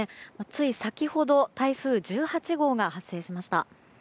つい先ほど台風１８号が発生しました。